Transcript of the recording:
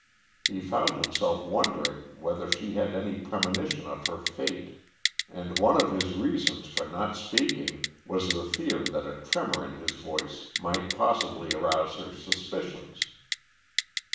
He found himself wondering whether she had any premonition of her fate, and one of his reasons for not speaking was the fear that a tremor in his voice might possibly arouse her suspicions.